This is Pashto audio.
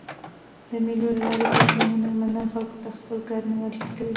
د مېلو له لاري کوچني هنرمندان خلکو ته خپل کارونه معرفي کوي.